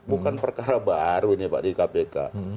bukan perkara baru ini pak di kpk